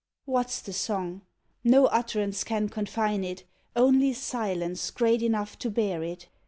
What's the song? No utterance can confine it Only silence great enough to bear it.